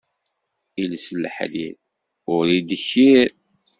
Iles d leḥrir ul d ddkir.